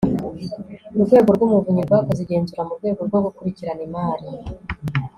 urwego rw umuvunyi rwakoze igenzura mu rwego rwo gukurikirana imari